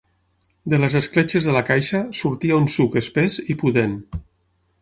De les escletxes de la caixa sortia un suc espès i pudent.